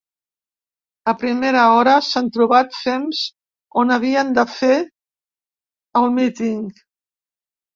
A primera hora, s’han trobat fems on havien de fer el míting.